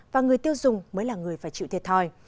và người tiêu dùng mới là người phải chịu thiệt thòi